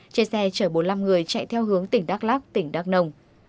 trên xe chở bốn mươi năm người chạy theo hướng tỉnh đắk lắc tỉnh đắk nông